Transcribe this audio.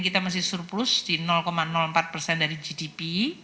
kita masih surplus di empat persen dari gdp